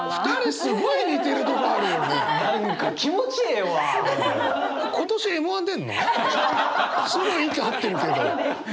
すごい息合ってるけど。